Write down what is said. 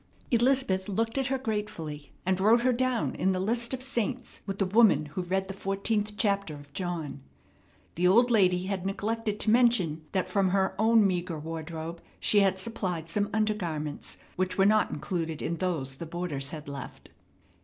Elizabeth looked at her gratefully, and wrote her down in the list of saints with the woman who read the fourteenth chapter of John. The old lady had neglected to mention that from her own meagre wardrobe she had supplied some under garments, which were not included in those the boarders had left.